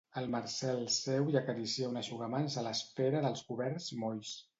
El Marcel seu i acaricia un eixugamans a l'espera dels coberts molls.